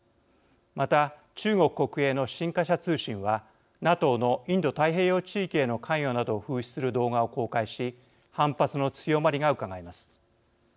また中国国営の新華社通信はＮＡＴＯのインド太平洋地域への関与などを風刺する動画を公開し反発の強まりがうかがえます。